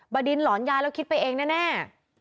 ดินหลอนยายแล้วคิดไปเองแน่